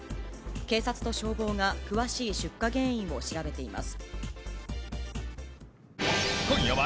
警察と消防が詳しい出火原因を調べています。